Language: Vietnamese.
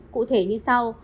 cụ thể như sau